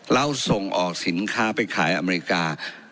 แล้วส่งออกสินค้าไปขายอเมริกา